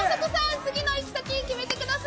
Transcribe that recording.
次の行き先決めてください。